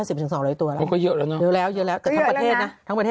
เออมีลายนะครับ